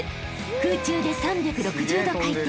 ［空中で３６０度回転］